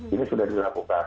ini sudah dilakukan